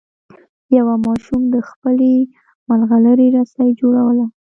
یوه ماشوم د خپلې ملغلرې رسۍ جوړوله.